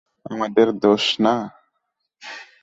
আমাদের দোষ না?